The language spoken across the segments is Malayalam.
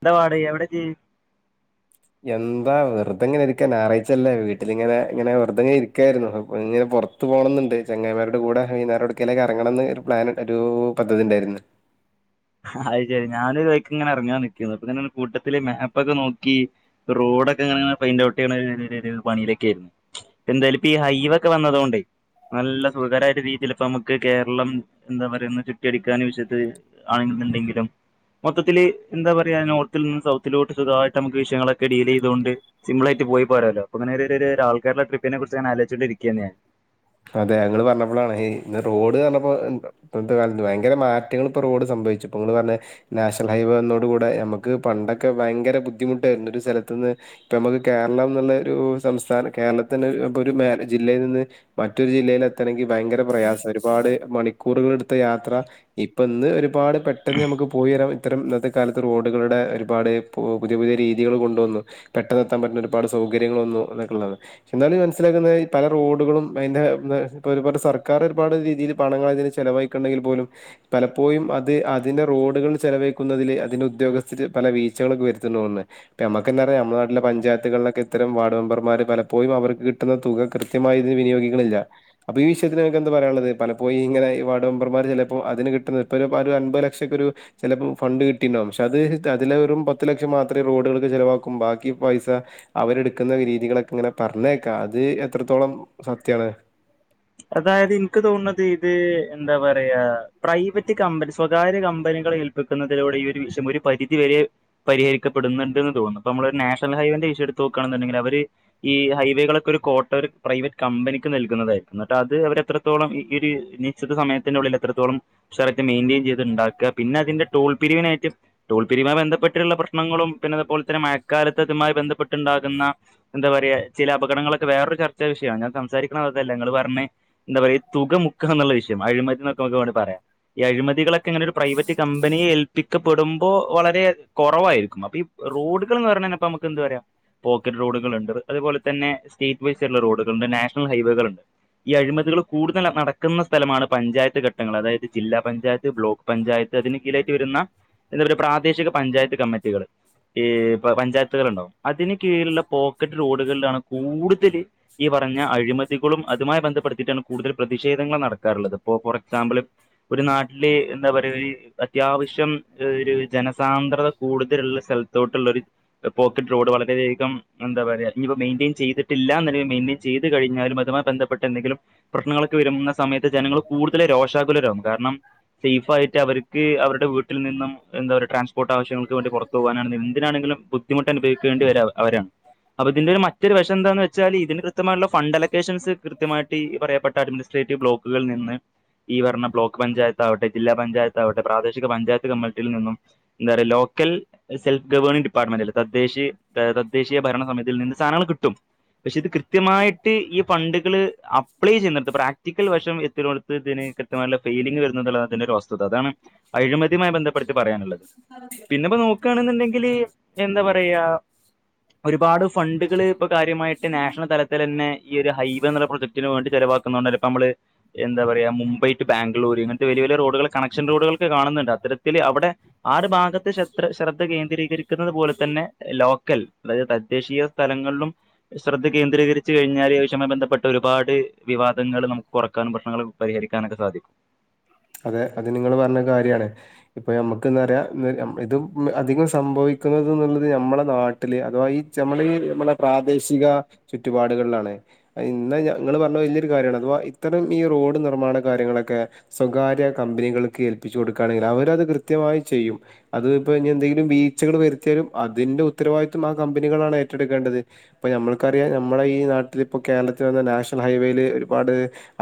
എന്ത പാട് എവിടെ ജീ എന്താ വെറുതെങ്ങനെ ഇരിക്കാൻ ഞാറാഴ് ച്ച അല്ലേ വീട്ടിലിങ്ങനെ ഇങ്ങനെ വെറതെങ്ങനെ ഇരിക്കായിരുന്നു ഇങ്ങനെ പുറത്തത്ത് പോണംന്നുണ്ട് ചങ്ങയിമാരുടെ കൂടെ വൈകുന്നരം എവിടേക്കേലും ഇറങ്ങണംന്ന് ഒരു പ്ലാൻ ഒരു പദ്ധതി ഉണ്ടായിരുന്നു അത് ശരി ഞാന് വഴിക്ക് ഇങ്ങനെ ഇറങ്ങാൻ നിൽക്കുന്നു അപ്പൊങ്ങെ കൂട്ടത്തില് മാപ്പക്കെ നോക്കി റോഡൊക്കെ ഇങ്ങനെ ഫൈൻന്റ് ഔട്ട് ചെയ്യണ [unintelligible] പണിയിലൊക്കെയയിരുന്നു ഇ എന്തായാലും ഇപ്പ ഈ ഹൈവേ ഒക്കെ വന്നതൊണ്ടേ നല്ല സുഖകരമായിട്ട് വീട്ടിൽ ഇപ്പ നമുക്ക് കേരളം എന്താ പറയ ചുറ്റി അടിക്കാൻ [unintelligible] ആണെങ്കുണ്ടെങ്കിലും മൊത്തത്തില് എന്താ പറയാ നോർത്തിൽ നിന്ന് സൗത്തിലോട്ട് സുഖമായിട്ട് നമുക്ക് വിഷയങ്ങളൊക്കെ ഡീൽ ചെയ്തുക കൊണ്ട് സിമ്പിൾ ആയിട്ട് പോയി പറയാമല്ലോ അപ്പൊങ്ങനെ ഒരു ഒരു ആൾക്കാരുടെ ട്രിപ്പിനെ കുറിച്ച് ഞാൻ ആലോചിച്ചുകൊണ്ടിരിക്കുകയായിരുന്നു ഞാൻ അതെ ഞങ്ങള് പറഞ്ഞപ്പോഴാണ് ഇ ഇന്ന് റോഡ് പറഞ്ഞപ്പോ ഇന്നത്തെ കാലത്തു ഭയങ്കര മാറ്റങ്ങൾ ഇപ്പ റോഡ് സംഭവിച്ചു ഇപ്പൊ നിങ്ങള് പറഞ്ഞ നാഷണൽ ഹൈവേ വന്നോട് കൂടെ ഞമ്മുക്ക് പണ്ടൊക്കെ ഭയങ്കര ബുദ്ധിമുട്ടായിരുന്നു ഒരു സ്ഥലത്തുന്നു ഇപ്പ നമുക്ക് കേരളം എന്നുള്ള ഒരു സംസ്ഥാനം കേരളത്തിന് അപ്പൊ ഒരു ജില്ലയിൽ നിന്ന് മറ്റൊരു ജില്ലയില് എത്തണമെങ്കിൽ ഭയങ്കര പ്രയാസം ഒരുപാട് മണിക്കൂറുകളൾ എടുത്ത് യാത്ര ഇപ്പ ഇന്ന് ഒരുപാട് പെട്ടെന്ന് നമുക്ക് പോയി വരാം ഇത്തരം ഇന്നത്തെ കാലത്ത് റോഡുകളുടെ ഒരുപാട് പുതിയ പുതിയ രീതികൾ കൊണ്ടുവന്നു പെട്ടെന്ന് എത്താൻ പറ്റുന്ന ഒരുപാട് സൗകര്യങ്ങൾ വന്നു എന്നൊക്കെ ഉള്ളതാണ് എന്നാലും മനസ്സിലാക്കുന്ന പല റോഡുകളും പ്പ അതിന്റെ ഇ ഇപ്പ ഒരുപാട് സർക്കാർ ഒരുപാട് രീതിയിൽ പണങ്ങൾ അതിന് ചെലവഴിക്കണ്ടെങ്കിൽ പോലും പലപ്പോഴും അത് അതിന്റെ റോഡുകൾ ചെലവഴിക്കുന്നതിൽ അതിന്റെ ഉദ്യോഗസ്ഥര് പല വീഴ്ച്ചകൾക്ക് വരുത്തുന്നുന്ന് ഇപ്പ നമുക്കന്നറിയാം നമ്മുടെ നാട്ടിലെ പഞ്ചായത്തുകളിലൊക്കെ ഇത്തരം വാർഡ് മെമ്പർമാർ പലപ്പോഴും അവർക്ക് കിട്ടുന്ന തുക കൃത്യമായി ഇതിന് വിനിയോഗി പ്പികളില്ല. അപ്പൊ ഈ വിഷയത്തിൽ നിങ്ങക്കെന്താ പറയാള്ളത്, പലപ്പോഴും ഇങ്ങനെ ഈ വാർഡ് മെമ്പർമാർ ചെലേപ്പോ അതിന് കിട്ടുന്നത് ഇപ്പ ഒരു അൻമ്പത് ലക്ഷക്കൊ ഒരു ചിലേപ്പം ഫണ്ട് കിട്ടീണ്ടാവും. പക്ഷെ അത് അതിൽത്തെ വെറും പത്തു ലക്ഷം മാത്രേ റോഡുകൾക്ക് ചെലവാക്കും ബാക്കി പൈസ അവരെടുക്കുന്ന രീതികളൊക്കെ ഇങ്ങനെ പറഞ്ഞേക്കാ അത് എത്രത്തോളം സത്യാണ്? അതായത് ഇൻക്ക് തോന്നുന്നത് ഇത് എന്താ പറയാ പ്രൈവറ്റ് കമ്പനി സ്വകാര്യ കമ്പനികളെ ഏൽപ്പിക്കുന്നതിലൂടെ ഈ ഒരു വിഷയം ഒരു പരിധി വരെ പരിഹരിക്കപ്പെടുന്നുണ്ട്ന്ന് തോന്നുന്നു. അപ്പൊ നമ്മള് ഒരു നാഷണൽ ഹൈവേന്റെ വിഷയം എടുത്ത് നോക്കുകയാണെന്നുണ്ടെങ്കിൽ അവര് ഈ ഹൈവേകളൊക്കെ ഒരു കോട്ട ഒരു പ്രൈവറ്റ് കമ്പനിക്ക് നൽകുന്നതായിരുന്നു. എന്നിട്ട് അത് അവരെത്രത്തോളം ഈ ഒരു നിശ്ചിത സമയത്തിൻന്റെ ഉള്ളിൽ എത്രത്തോളം സ്ഥലത്ത് മെയിൻ്റെയിൻ ചെയ്ത് ഇണ്ടാക്കാ, പിന്നെ അതിന്റെ ടോൾ പിരിവിനായിട്ട് ടോൾ പിരിവുമായി ബന്ധപ്പെട്ടുള്ള പ്രശ്നങ്ങളും പിന്നെ അതുപോലെ തന്നെ മഴക്കാലത്ത്തുമായി ബന്ധപ്പെട്ടുണ്ടാകുന്ന എന്താ പറയാ ചില അപകടങ്ങളൊക്കെ വേറൊരു ചർച്ചാ വിഷയാണ്. ഞാൻ സംസാരിക്കണത് അതതല്ല നിങ്ങൾ പ ർഞ്... എന്താ പറയാ ഈ തുക മുക്കണം എന്നുള്ള വിഷയം അഴിമതി എന്നൊക്കെ നമുക്ക് വേണങ്കി പറയാം ഈ അഴിമതികളൊ ക്കെ ഇങ്ങനെ ഒരു പ്രൈവറ്റ് കമ്പനിയെ ഏൽപ്പിക്കപ്പെടുമ്പോ വളരെ അ കുറവായിരി ക്കു. അപ്പ ഈ റോഡുകളെന്നു പറഞ്ഞാ ഇപ്പ മ്മക്ക് ക്കെന്താ പറയാ പോക്കറ്റ് റോഡുകൾ ഉണ്ട് അതുപോലെ തന്നെ സ്റ്റേറ്റ് വൈസ് ഉള്ള റോഡുകളുണ്ട്, നാഷണൽ ഹൈവേകള് ഇണ്ട്. ഈ അഴിമതികൾ കൂടുതൽ നടക്കുന്ന സ്ഥലമാണ് പഞ്ചായത്ത് ഘട്ടങ്ങൾ. അതായത് ജില്ലാ പഞ്ചായത്ത്, ബ്ലോക്ക് പഞ്ചായത്ത്, അതിന് കീഴേക്ക് വരുന്ന എന്താ പറയാ പ്രാദേശിക പഞ്ചായത്ത് കമ്മിറ്റികൾ ഈ പഞ്ചായത്തുകൾ ഉണ്ടാവും അതിന് കീഴിലുള്ള പോക്കറ്റ് റോഡുകളിലാണ് കൂടുതൽ ഈ പറഞ്ഞ അഴിമതികളും അതുമായി ബന്ധപ്പെടുത്തിയിട്ടാണ് കൂടുതൽ പ്രതിഷേധങ്ങളും നടക്കാറുള്ളത്. ഇപ്പോ ഫോർ എക്സാമ്പിൾ ഒരു നാട്ടില് എന്താ പറയ ഈ അത്യാവശ്യം ഒരു ജനസാന്ദ്രത കൂടുതലുള്ള സ്ഥലത്തോട്ടുള്ള ഒരു പോക്കറ്റ് റോഡ് വളരെയധികം എന്താ പറയാ ഇഞ് പ്പം മെയിന്റെയിൻ ചെയ്തിട്ടില്ലാന്ന്ണ്ടെങ്കിലും മെയിന്റെയിൻ ചെയ്ത് കഴിഞ്ഞാലും അഥവാ ബന്ധപ്പെട്ട എന്തെങ്കിലും പ്രശ്നങ്ങളൊക്കെ വരുന്ന സമയത്ത് ജനങ്ങള് കൂടുതല് രോഷാകുലരാകുന്നു. കാരണം സേഫ് ആയിട്ട് അവർക്ക് അവരുടെ വീട്ടിൽ നിന്നും എന്താ പറയുക ട്രാൻസ്പോർട്ട് ആവശ്യങ്ങൾക്ക് വേണ്ടി പുറത്തു പോകാനാണെങ്കി എന്തിനാണെങ്കിലും ബുദ്ധിമുട്ടനുഭവിക്കേണ്ടി വരാ അവ അവരാണ് അപ്പൊ ഇതിന്റെ ഒരു മറ്റൊരു വശം എന്താന്ന് വെ ച്ചാല് ഇതിന് കൃത്യമായിട്ടുള്ള ഫണ്ട് അലക്കേഷൻസ് കൃത്യമായിട്ട് ഈ പറയപ്പെട്ട അഡ്മിനിസ്ട്രെറ്റീവ് ബ്ലോ ക്കുകൾ നിന്ന് ഈ പറഞ്ഞ ബ്ലോക്ക് പഞ്ചായത്ത് ആവട്ടെ ജില്ലാ പഞ്ചായത്ത് ആവട്ടെ പ്രാദേശിക പഞ്ചായത്ത് കമ്മ്യുണിറ്റിയിൽ നിന്നും എന്താ പറയുക ലോക്കൽ സെൽഫ് ഗവേണിംഗ് ഡിപ്പാർട്ട്മെന്റില് തദ്ദേശി തദ്ദേശീയ ഭരണ സമിതിയിൽ നിന്ന് സാധനങ്ങള് കിട്ടും. പക്ഷെ ഇത് കൃത്യമായിട്ട് ഈ ഫണ്ട് കള് അപ്ലൈ ചെയ്യുന്നടത്ത് പ്രാക്ടിക്കൽ വശം എത്തിനോടുത്ത് ഇതിനു കൃ ത്യമായിട്ടുള്ള ഫീലിംഗ്‌ വരുന്നുള്ളതാണിതിന്റെ ഒരു വസ്തുത അതാണ് അഴിമ തിയുമായി ബന്ധപ്പെടുത്തി പറയാനുള്ളത് പിന്നെ ഇപ്പോ നോക്കുകയാണെന്നുണ്ടെങ്കില് എന്താ പറയാ ഒരുപാട് ഫണ്ടുകള് ഇപ്പൊ കാര്യമായിട്ട് നാഷണൽ തലത്തിലന്നെ ഈ ഒരു ഹൈ വേ പ്രൊജക്റ്റിന് വേണ്ടി ചിലവാക്കുന്നുണ്ട് ഇപ്പോ നമ്മള് എന്താ പറയാ മുംബൈ ടു ബാംഗ്ലൂര് ഇങ്ങനത്തെ വലിയ വലിയ റോഡുകൾ കണക്ഷൻ റോഡുകൾക്ക് കാണുന്നുണ്ട് അത്തരത്തിത്തില് അവിടെ ആ ഒരു ഭാഗത്തെ ശെത്ര ശ്രദ്ധ കേന്ദ്രീകരിക്കുന്നത് പോലെ തന്നെ ലോ ക്കൽ അതായത് തദ്ദേശീയ സ്ഥലങ്ങളിലും ശ്രദ്ധ കേന്ദ്രീകരിച്ചു കഴിഞ്ഞാല് [unintelligible] ബന്ധപ്പെ പ്പെട്ട ഒരുപാട് വിവാദങ്ങള് നമുക്ക് കൊറക്കാനും പ്രശ്നങ്ങള് പരിഹരിക്കാനൊക്കെ സാധിക്കും അതെ അത് നിങ്ങള് പറഞ്ഞ കാര്യാണ്. ഇപ്പൊ ഞമ്മുക്ക് എന്താ പറയാ ഇതും ഇം അധികം സംഭവിക്കുന്നത് എന്നുള്ളത് ഞമ്മളെ നാട്ടില് അഥവാ ഈ ച്ചമ്മളീ ഞമ്മളെ പ്രാദേശിക ചുറ്റുപാടുകളിലാണ്. ഇന്ന് ഞങ്ങള് പറഞ്ഞ വലിയൊരു കാര്യാണ് അഥവാ ഇത്തരം ഈ റോഡ് നിർമ്മാണ കാര്യങ്ങളക്കെ സ്വകാര്യ കമ്പനികൾക്ക് ഏൽപ്പിച്ച് കൊടുക്കുകയാണെങ്കിൽ അവരത് കൃത്യമായി ചെയ്യും. അത് ഇപ്പ ഇഞ്ഞി എന്തെങ്കിലും വീഴ്ച്ചകൾ വരുത്തിയാലും അതിൻ്റെ ഉത്തരവാദിത്തം ആ കമ്പനികളാണ് ഏറ്റെടുക്കേണ്ടത്. ഇപ്പ ഞമ്മൾക്കറിയാം നമ്മുടെ ഈ നാട്ടിലിപ്പോൾ കേരളത്തിൽ വന്ന നാഷണൽ ഹൈവേയിൽ ഒരുപാട്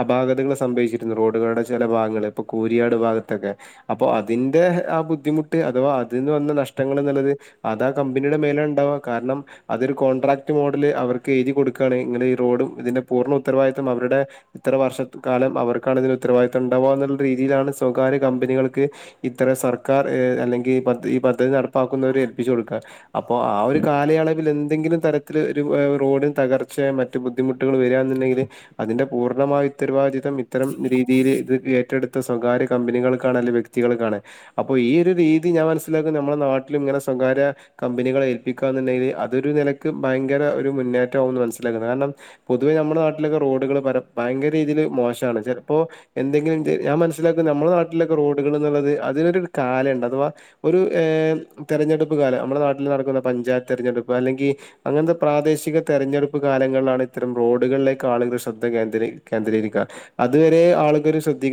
അപാകതങ്ങൾ സംഭവിച്ചിരുന്നു റോഡുകളുടെ ചില ഭാഗങ്ങള് ഇപ്പൊ കൂരിയാട് ഭാഗത്തൊക്കെ. അപ്പൊ അതിന്റെ ആ ബുദ്ധിമുട്ട് അഥവാ അതിന്ന് വന്ന നഷ്ടങ്ങള് എന്നിള്ളത് അതാ കമ്പനിയുടെ മേലെ ഇണ്ടാവുക കാരണം അതൊരു കോൺട്രാക്ട് മോഡല് അവർക്ക് എഴുതി കൊടുക്കുകയാണ് ഇങ്ങനെ ഈ റോഡും ഇതിന്റെ പൂർണ്ണ ഉത്തരവാദിത്തം അവരുടെ ഇത്ര വർഷക്കാലം അവർക്കാണ് ഇതിന് ഉത്തരവാദി ത്തം ഉണ്ടാവുക എന്നുള്ള രീതിയിലാണ് സ്വകാര്യ കമ്പനികൾക്ക് ഇത്ര സർക്കാർ ആഹ് അല്ലെങ്കിൽ ഈ പദ്ധ പദ്ധതി നടപ്പാക്കുന്നവര് എൽ. പി. ജി കൊടുക്കുക അപ്പോ ആ ഒരു കാലയളവിൽ എന്തെങ്കിലും തരത്തിൽ ഒരു റോഡിന് തകർച്ച മറ്റ് ബുദ്ധിമുട്ടുകൾ വരിക എന്നണ്ടെങ്കില് അതിന്റെ പൂർണ്ണമായ ഉത്തരവാദിത്തം ഇത്തരം രീതിയില് ഇത് ഏറ്റെടുത്ത സ്വകാര്യ കമ്പനികൾക്കാണ് അല്ലെ വ്യക്തികൾക്കാണ് അപ്പൊ ഈ ഒരു രീതി ഞാൻ മനസ്സിലാക്കുന്നു നമ്മുടെ നാട്ടിലും ഇങ്ങനെ സ്വകാര്യ കമ്പനികളെ ഏല്പ്പിക്കാ എന്നുണ്ടെങ്കിൽ അതൊരു നിലക്ക് ഭയങ്കര ഒരു മുന്നേറ്റാവൂന്ന് മനസ്സിലാക്കുന്നു. കാരണം പൊതുവെ ഞമ്മടെ നാട്ടിലൊക്കെ റോഡുകൾ പര ഭയങ്കര രീതീല് മോശാണ് ചിലപ്പോ എന്തെങ്കിലും എന്ത് ഞാൻ മനസ്സിലാക്കും നമ്മളെ നാട്ടിലൊക്കെ റോഡുകൾ എന്നുള്ളത് അതിനൊരു കാലണ്ട് അഥവാ ഒരു ഏഹ് തെരഞ്ഞെടുപ്പ് കാലം നമ്മളെ നാട്ടില് നടക്കുന്ന പഞ്ചായത്ത് തെരഞ്ഞെടുപ്പ് അല്ലെങ്കി അങ്ങനത്തെ പ്രാദേശിക തെരഞ്ഞെടുപ്പ് കാലങ്ങളിലാണ് ഇത്തരം റോഡുകളിലേക്ക് ആളുകൾ ശ്രദ്ധ കേന്ദ്രീ കേന്ദ്രീകരിക്കുക അതുവരെ ആളു [unintelligible] ശ്രദ്ധി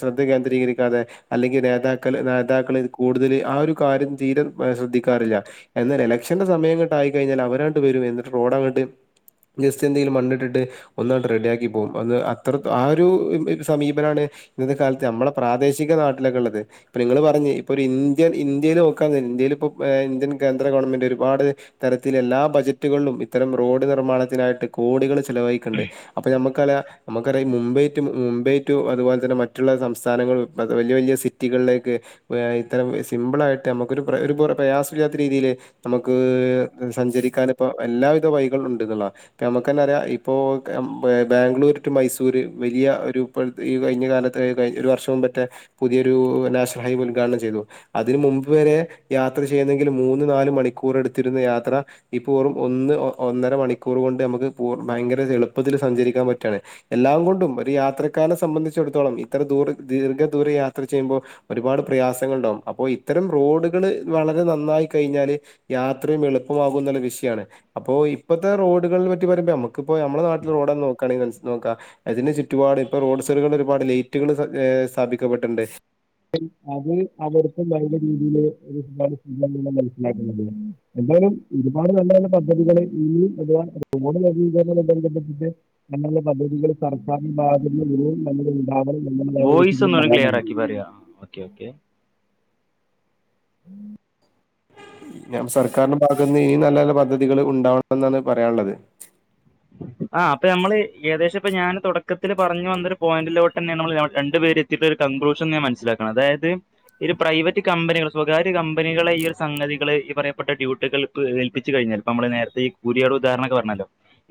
ശ്രദ്ധ കേന്ദ്രീകരിക്കാതെ അല്ലെങ്കിൽ നേതാക്കൾ നേതാക്കൾ കൂടുതല് ആ ഒരു കാര്യം തീരെ ശ്രദ്ധിക്കാറില്ല എന്നാൽ എലക്ഷന്റെ സമയങ്ങട്ടായിക്കഴിഞ്ഞാൽ അവരാണ്ട് വരും എന്നിട്ട് റോഡ് അങ്ങട്ട് ജസ്റ്റ് എന്തെങ്കിലും മണ്ണിട്ടിട്ട് ഒന്നാണ്ട് റെഡിയാക്കി പോകും അത് അത്ര ആ ഒരു [unintelligible] സമീപനാണ് ഇന്നത്തെ കാലത്ത് നമ്മളെ പ്രാദേശിക നാട്ടിലൊക്കെ ഇള്ളത് ഇപ്പൊ നിങ്ങള് പറഞ്ഞ് ഇപ്പൊ ഒരു ഇന്ത്യൻ ഇന്ത്യേല് നോക്കാ പറഞ്ഞു ഇന്ത്യൽ ഇപ്പോ ഇന്ത്യൻ കേന്ദ്ര ഗവൺമെന്റ് ഒരുപാട് തരത്തിൽ എല്ലാ ബജറ്റുകളിലും ഇത്തരം റോഡ് നിർമ്മാണത്തിനായിട്ട് കോടികൾ ചെ ചിലവയിക്ക്ണ്ട് അപ്പൊ നമ്മ [unintelligible] നമ്മക്കറിയാ ഈ മുംബൈ ടു മും മുംബൈ ടു അതുപോലെ തന്നെ മറ്റുള്ള സംസ്ഥാനങ്ങളൾ വല്ല്യ വല്ല്യ സിറ്റികളിലേക്ക് ഇത്തരം സിമ്പിളായിട്ട് നമ്മക്കൊരു ഒരു പ്രയാസമില്ലാത്ത രീതീല് നമ്മക്ക് സഞ്ചരിക്കാനിപ്പോ എല്ലാവിധ വയികളും ഇണ്ട്ന്നുള്ളതാ ഇപ്പ ഞമ്മക്ക് തന്നെ അറിയാ ഇപ്പോ ബാംഗ്ലൂർ ടു മൈസൂര് വലിയ ഒരു ഇപ്പട്ത്ത് ഇപ്പോ ഈ കഴിഞ്ഞ കാലത്ത് ഒരു വർഷം മുൻപറ്റെ പുതിയൊരു നാഷണൽ ഹൈവേ ഉദ്ഘാടനം ചെയ്തു അതിന് മുമ്പ് വരെ യാത്ര ചെയ്യുന്നെങ്കിൽ മൂന്ന് നാല് മണിക്കൂർ എടുത്തിരുന്ന യാത്ര ഈപ്പോ വെറും ഒന്ന് ഒന്നര മണിക്കൂർ കൊണ്ട് നമുക്ക് പൂർ ഭയങ്കര എളുപ്പത്തിൽ സഞ്ചരിക്കാൻ പറ്റാണ് എല്ലാം കൊണ്ടും ഒരു യാത്ര ക്കാനെ സംബന്ധിച്ചിടത്തോളം ഇത്ര ദൂർ ദീർഘദൂര യാത്ര ചെയ്യുമ്പോ ഒരുപാട് പ്രയാസങ്ങൾ ഉണ്ടാകും അപ്പൊ ഇത്തരം റോഡുകള് വളരെ നന്നായി കഴിഞ്ഞാല് യാത്രയും എളുപ്പമാകും എന്നുള്ള വിഷയമാണ് അപ്പൊ ഇപ്പത്തെ റോഡുകളെ പറ്റി പറയുമ്പോ ഞമ്മക്ക് ഇപ്പൊ നമ്മളെ നാട്ടിലെ റോഡന്നെ നോക്കാണെങ്കിൽ മനസ്സി നോക്കു അതിന് ചുറ്റുപാട് ഇപ്പൊ റോഡ് സൈടുകളിൽ ഒരുപാട് ലൈറ്റുകൾ സ്ഥാപിക്കപ്പെട്ടുണ്ട് അത് അവർക്ക നല്ല രീതിൽ മനസിലാക്കിയിട്ടുണ്ട് നിലവിൽ വോയിസ് ഒന്നുക്ലിയർ ആക്കി പറയോ ആ ഓക്കെ ഓക്കെ [inaudible] ഞാൻ സർക്കാരിന്റെ ഭാഗത്തുനിന്ന് ഇനി നല്ല നല്ല പദ്ധതികള് ഉണ്ടാവണമെന്നാണ് പറയാനുള്ളത് ആഹ് അപ്പൊ നമ്മള് ഏകദേശം ഇപ്പൊ ഞാൻ തുടക്കത്തില് പറഞ്ഞു വന്നൊരു പോയിന്റിലോട്ട് തന്നെ നമ്മള് രണ്ട പേര് എത്തിയിട്ട ഒരു കൺക്ലൂഷൻ ഞാൻ മനസ്സിലാക്കണം അതായത് ഈ ഒരു പ്രൈവറ്റ് കമ്പനികൾ സ്വകാര്യ കമ്പനികളെ ഈ ഒരു സംഗതികള് ഈ പറയപ്പെട്ട ഡ്യൂട്ടികൾ ഏൽപ്പിച്ച് കഴിഞ്ഞാല് നമ്മള് നേരത്തെ ഈ കൂരിയാട് ഉദാഹരണൊക്കെ പറഞ്ഞല്ലോ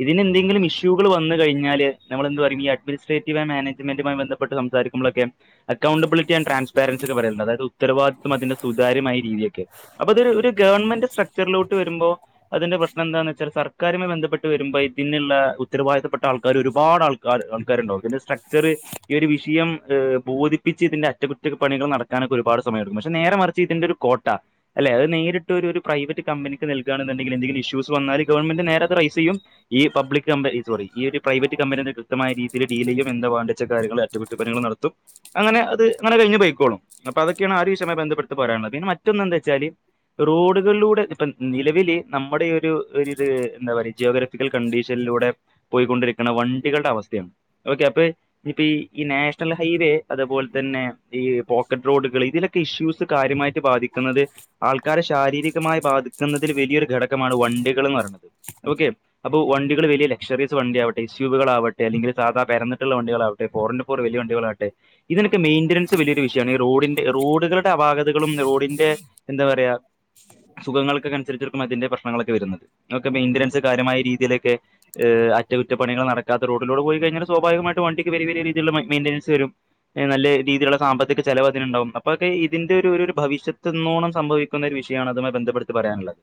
ഇതിനെന്തങ്കിലും ഇഷ്യൂകൾ വന്ന് കിഞ്ഞാൽ നമ്മളെന്ത് പറയും ഈ അഡ്മിനിസ്‌ട്രെറ്റീവ് ആൻഡ് മാനേജ്മെന്റുമായി ബന്ധപ്പെട്ട് സംസാരിക്കുമ്പോക്കെ അക്കൗണ്ടബിലിറ്റി ആൻറ് ട്രാൻസ്പരൻസി ഒക്കെ പറയുന്നുണ്ട് അതായത് ഉത്തരവാദിത്തം അതിന്റെ സുതാര്യമായ രീതിയെക്കെ അപ്പോ അതൊ ഒരു ഗവമെന്റ് സ്ട്രക്ചറിലോട്ട് വരുമ്പോ അതിന്റെ പ്രശ്നം എന്താന്ന് വച്ചാൽ സർക്കാരുമായി ബന്ധപ്പെട്ട് വരുമ്പോ പിന്നെയുള്ള ഉത്തരവാദിത്തപ്പെട്ട ആൾക്കാർ ഒരുപാട് ആൾക്കാർ കണ്ടോ പിന്നെ സ്ട്രക്ചർ ഈ ഒരു വിഷയം ബോധിപ്പിച്ച് അതിന്റെ അറ്റകുറ്റപ്പണികൾ നടക്കാനൊക്കെ ഒരുപാട്സമയമെടുക്കും പക്ഷെ നേരെ മറിച്ച് ഇതിന്റെ ഒരു കോട്ട അല്ലെ അത് നേരിട്ട് ഒരു ഒരു പ്രൈവറ്റ് കമ്പനിക്ക് നൽകാണെന്നുണ്ടെങ്കിൽ എന്തെങ്കിലും ഇഷ്യൂസ് വന്നാല് ഗവൺമെന്റ് നേരെ അത് റൈസ് ചെയ്യും ഈ പബ്ലിക് കമ്പനി സോറി ഈ ഒരു പ്രൈവറ്റ് കമ്പനി കൃത്യമായ രീതിയിൽ ഡീൽ ചെയ്യും എന്താ വേണ്ടത് വെച്ചാൽ കാര്യങ്ങൾ അറ്റകുറ്റപ്പണികൾ നടത്തും അങ്ങനെ അതങ്ങ് കഴിഞ്ഞു പൊയ്ക്കോളും അപ്പൊ അതൊക്കെയാണ് ആ ഒരു വിഷയവുമായി ബന്ധപ്പെട്ട് പറയാനുള്ളത് പിന്നെ മറ്റൊന്ന് എന്താന്ന് വെച്ചാല് റോഡുകളിലൂടെ ഇപ്പൊ നിലവില് നമ്മുടെ ഒരു എന്താ പറയ ജ്യോഗ്രഫി കണ്ടീഷനിലൂടെ പോയിക്കൊണ്ടിരിക്കുന്ന വണ്ടികളുടെ അവസ്ഥയാണ് ഓക്കെ അപ്പൊ ഇപ്പ ഈ ഈ നാഷണൽ ഹൈവേ അതുപോലെ തന്നെ ഈ പോക്കറ്റ് റോഡുകൾ ഇതിലൊക്കെ ഇഷ്യൂസ് കാര്യമായിട്ട് ബാധിക്കുന്നത് ആൾക്കാരെ ശാരീരികമായി ബാധിക്കുന്നതിൽ വലിയൊരു ഘടകമാണ് വണ്ടികൾ എന്ന് പറയുന്നത് ഓക്കെ അപ്പോൾ വണ്ടികൾ വലിയ ലക്ഷറീസ് വണ്ടി ആകട്ടെ ഇസ്യൂബുകള ആവട്ടെ അല്ലെങ്കിൽ സാധാ പരന്നിട്ടുള്ള വണ്ടികളാവട്ടെ ഫോറിൻ ഫോർ വലിയ വണ്ടികളാവട്ടെ ഇതിനൊക്കെ മെയിന്റനൻസ് വലിയൊരു വിഷയമാണ് റോഡിന്റെ റോഡുകളുടെ അപാകതകളും റോഡിന്റെ എന്താ പറയാ സുഖങ്ങൾക്കൊക്കെ അനുസരിച്ചിക്കും അതിന്റെ പ്രശ്നങ്ങളൊക്കെ വരുന്നത് അതെ മെയിന്റനൻസ് കാര്യമായരീതി ഇതിലൊക്കെ ഏഹ് അറ്റകുറ്റപ്പണികൾ നടക്കാത്ത റോഡിലൂടെ പോയി കഴിഞ്ഞാൽ സ്വാഭാവികമായിട്ട് വണ്ടിക്ക് വലിയ വലിയ രീതിയിലുള്ള മെയിന്റനൻസ് വരും നല്ല രീതിുള്ള സാമ്പത്തിക ചെലവ് അതിനുണ്ടാവും അപ്പൊക്കെ ഇതിന്റെ ഒരു ഒരു ഭവിഷ്യത്തു എന്നോണം സംഭവിക്കുന്ന ഒരു വിഷയമാണ് അതുമായി ബന്ധപ്പെട്ട് പറയാനുള്ളത്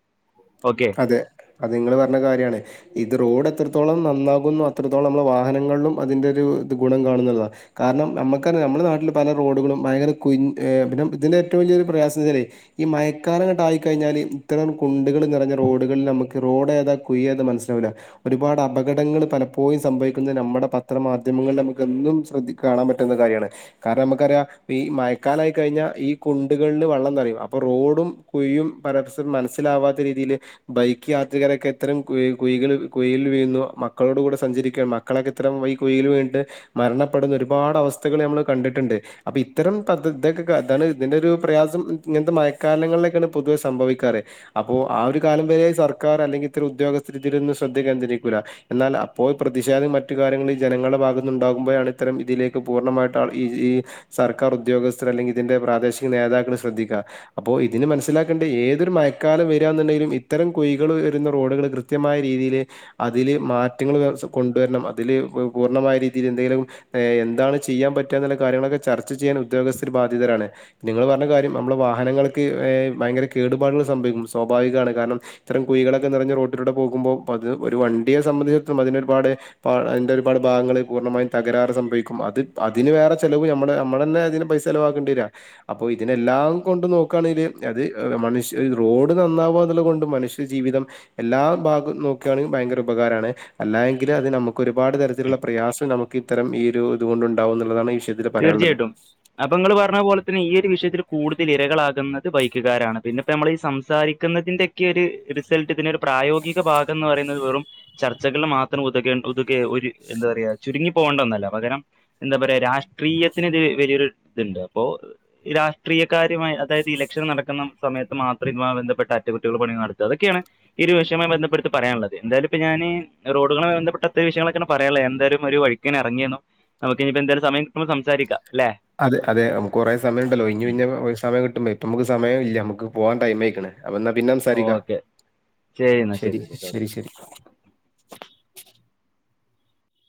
ഓക്കെ അതെ അത് നിങ്ങൾ പറഞ്ഞ കാര്യമാണ് ഇത് റോഡ് എത്രത്തോളം നന്നാകുന്നു അത്രത്തോളം നമ്മളുടെ വാഹനങ്ങളിലും അതിന്റെ ഒരു ഗുണം കാണുന്നുള്ളതാണ് കാരണം നമുക്കറിയാം നമ്മുടെ നാട്ടിൽ പല റോഡുകളും ഭയങ്കര കുന്ന് ഇതിന്റെ ഏറ്റവും വലിയൊരു പ്രയാസം വച്ചാേ ഈ മഴക്കാലം അങ്ങോട്ട് ആയിക്കഴിഞ്ഞാല് ഇത്തരം കുണ്ടുകൾ നിറഞ്ഞ റോഡുകളിൽ നമുക്ക് റോഡ ഏതാ കുഴി ഏതാന്ന് മനസ്സിലാവില്ല ഒരുപാട് അപകടങ്ങൾ പലപ്പോഴും സംഭവിക്കുന്നത് നമ്മുടെ പത്രമാധ്യമങ്ങളിൽ നമുക്ക് എന്നും കാണാൻ പറ്റുന്ന കാര്യമാണ് കാരണം നമുക്കറിയാം ഈ മഴക്കാലമായി കഴിഞ്ഞാൽ ഈ കുണ്ടുകളിൽ വെള്ളം നിറയും അപ്പൊ റോഡും കുഴിയും പരസ്പരം മനസ്സിലാവാത്ത രീതിയിൽ ബൈക്ക് യാത്രകാരൊക്കെ ഇത്തരം കുഴിയിൽ വീഴുന്നു മക്കളോട് കൂടെ സഞ്ചരിക്ക മക്കളൊക്കെ ഇത്തരം കുഴയിൽ വീണിട്ട് മരണപ്പെടുന്ന ഒരുപാട് അവസ്ഥകൾ നമ്മൾ കണ്ടിട്ടുണ്ട് അപ്പൊ ഇത്തരം ഇതൊക്കെ അതാണ് ഇതിന്റെ ഒരു പ്രയാസം ഇങ്ങനത്തെ മഴക്കാലങ്ങളിലൊക്കെയാണ് പൊതുവെ സംഭവിക്കാറ് അപ്പൊ ആ ഒരു ഇക്കാലം വരെ സർക്കാർ അല്ലെങ്കിൽ ഇത്തരം ഉദ്യോഗസ്ഥർ ഇതിലൊന്നും ശ്രദ്ധ കേന്ദ്രികരിക്കില്ല എന്നാൽ അപ്പോ പ്രതിഷേധം മറ്റു കാര്യങ്ങളൊക്കെ ഈ ജനങ്ങളുടെ ഭാഗത്തു ഉണ്ടകുമ്പോഴാണ് ഇത്തരം ഇതിലേക്ക് പൂർണ്ണമായിട്ട് ഈ ഈ സർക്കാർ ഉദ്യോഗസ്ഥർ അല്ലെങ്കിൽ ഇതിന്റെ പ്രാദേശിക നേതാക്കൾ ശ്രദ്ധിക്കുക അപ്പോ ഇതിൽ നിന്ന് മനസ്സിലാക്കണ്ടേ ഏതൊരു മഴക്കാലം വരിക എന്നുണ്ടെങ്കിലും ഇത്തരം കുഴികൾ വരുന്ന റോഡുകൾ കൃത്യമായ രീതിയിൽ അതില് മാറ്റങ്ങൾ കൊണ്ടുവരണം അതില് പൂർണ്ണമായ രീതിയിൽ എന്തെങ്കിലും എന്താണ് ചെയ്യാൻ പറ്റുക എന്നുള്ള കാര്യങ്ങളൊക്കെ ചർച്ച ചെയ്യാൻ ഉദ്യോഗസ്ഥർ ബാധിതരാണ് നിങ്ങൾ പറഞ്ഞ കാര്യം നമ്മള് വാഹനങ്ങൾക്ക് ഭയങ്കര കേടുപാടുകൾ സംഭവിക്കും സ്വാഭാവികമാണ് കാരണം ഇത്തരം കുഴികളൊക്കെ നിറഞ്ഞ റോട്ടിലൂടെ പോകുമ്പോ അത് ഒരു വണ്ടിയെ സംബന്ധിച്ചിടത്തം അതിന ഒരുപാട് അതിന്റെ ഒരുപാട് ഭാഗങ്ങൾ പൂർണ്ണമായും തകരാറ് സംഭവിക്കും അത് അതിന് വേറെ ചെലവ് നമ്മൾ നമ്മുടെ തന്നെ അതിന് പൈസ ചെിലവാക്കേണ്ടി വരും അപ്പൊ ഇതിനെല്ലാം കൊണ്ട് നോക്കുകയാണെങ്കില് അത് മനുഷ്യ റോഡ് നന്നാവുക എന്നുള്ളത് കൊണ്ട് മനുഷ്യ ജീവിതം എല്ലാ ഭാഗവും നോക്കുകയാണെങ്കിൽ ഭയങ്കര ഉപകാരമാണ് അല്ലായെങ്കിൽ അത് നമുക്ക് ഒരുപാട് തരത്തിലുള്ള പ്രയാസം നമുക്ക് ഇത്തരം ഈ ഒരു ഇതു കൊണ്ടുണ്ടാവും എന്നുള്ളതാണ് വിഷയത്തിൽ പറയാനുള്ളത് തീർച്ചയായിട്ടും അപ്പൊ നിങ്ങൾ പറഞ്ഞതു പോലെ തന്നെ ഈ ഒരു വിഷയത്തിൽ കൂടുതൽ ഇരകളാകുന്നത് ബൈക്കുകാരാണ് പിന്നെ ഇപ്പോ നമ്മൾ ഈ സംസാരിക്കുന്നതിന്റയൊക്കെ ഒരു റിസൾട്ട് ഇതിനൊ പ്രായോഗിക ഭാഗം എന്ന് പറയുന്നത് വെറും ചർച്ചകിൽ മാത്രം ഉത ഉതുെ എന്താ പറയാ ചുരുങ്ങി പോകേണ്ടന്നല്ല പകരം എന്താ പറയാ രാഷ്ട രാഷ്ട്രീയത്തിന് ഇതിൽ വലിയൊരു ഇതുണ്ട് അപ്പോൾ രാഷ്ട്രീയക്കാരുമായി അതായത് ഇലക്ഷൻ നടക്കുന്ന സമയത്ത് മാത്രം ഇതുമായി ബന്ധപ്പെട്ട അറ്റകുറ്റികൾ പണിയ നടത്തുക അതൊക്കെയാണ് ഈ ഒരു വിഷയവമായി ബന്ധപ്പെട്ട് പറയാനുള്ളത് എന്തായാലും ഇപ്പൊ ഞാൻ റോഡുകളുമായി ബന്ധപ്പെട്ട ഇത്തരം വിഷയങ്ങളൊക്കെയാണ് പറയാനുള്ളത് എന്തായാലും ഒരു വഴിക് ഇങ്ങനെ ഇറങ്ങിയെന്നോ നമുക് ഇനിയിപ്പൊ എന്തായാലും സമയം നമുക്ക് സംസാരിക്കാം അല്ലേ അതെ അതെ നമുക്ക് കുറെ സമയമുണ്ടല്ലോ ഇനി സമയം കിട്ടുമ്പോ ഇപ്പൊ നമു ക്ക് സമയം ഇല്ല നമുക്ക് പോവാൻ ടൈം ആയിരിക്കുന്നു അപ്പൊ ന്നാ പിന്നെ സംസാരിക്ക ഓക്കെ ശരി ശരി ശരി സ് സ്